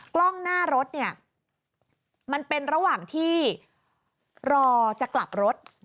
กล้องหน้ารถเนี่ยมันเป็นระหว่างที่รอจะกลับรถ